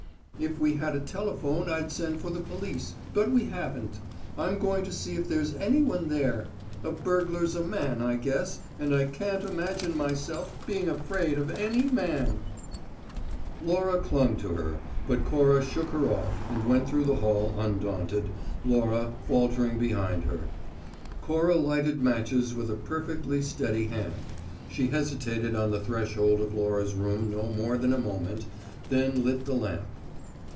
If we had a telephone I'd send for the police; but we haven't. I'm going to see if there's any one there. A burglar's a man, I guess, and I can't imagine myself being afraid of any man!" Laura clung to her, but Cora shook her off and went through the hall undaunted, Laura faltering behind her. Cora lighted matches with a perfectly steady hand; she hesitated on the threshold of Laura's room no more than a moment, then lit the lamp.